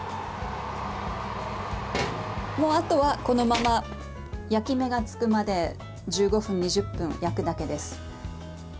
もう、あとはこのまま焼き目がつくまで１５分、２０分焼くだけです。